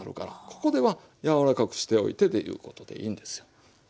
ここでは柔らかくしておいてということでいいんですよ。